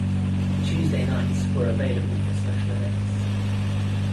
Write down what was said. Tuesday nights were available for special events.